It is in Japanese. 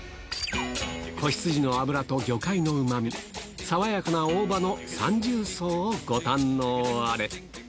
仔羊の脂と魚介のうまみ、爽やかな大葉の三重奏をご堪能あれ。